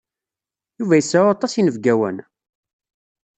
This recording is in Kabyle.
Yuba iseɛɛu aṭas n yinebgiwen?